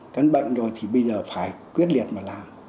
căn bệnh rồi thì bây giờ phải quyết liệt mà làm